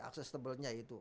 akses tebelnya itu